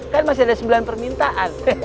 kan masih ada sembilan permintaan